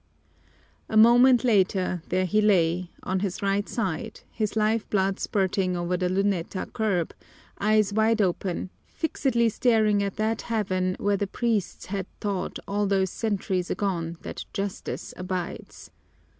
A moment later there he lay, on his right side, his life blood spurting over the Luneta curb, eyes wide open, fixedly staring at that Heaven where the priests had taught all those centuries agone that Justice abides.